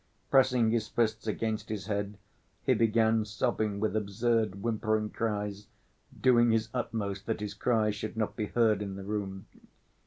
Pressing his fists against his head, he began sobbing with absurd whimpering cries, doing his utmost that his cries should not be heard in the room.